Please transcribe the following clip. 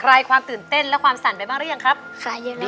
ใครความตื่นเต้นและความสั่นไปบ้างหรือยังครับใครอย่างนั้นครับ